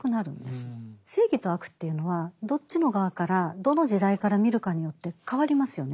正義と悪というのはどっちの側からどの時代から見るかによって変わりますよね。